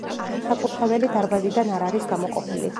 საკურთხეველი დარბაზიდან არ არის გამოყოფილი.